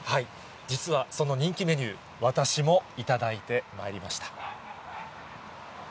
実は、その人気メニュー、私も頂いてまいりました。